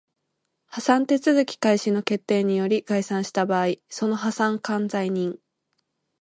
破産手続開始の決定により解散した場合その破産管財人